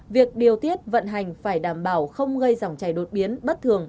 việc điều tiết vận hành phải đảm bảo không gây dòng chảy đột biến bất thường